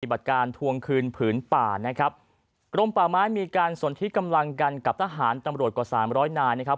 การทวงคืนผืนป่านะครับกรมป่าไม้มีการสนที่กำลังกันกับทหารตำรวจกว่าสามร้อยนายนะครับ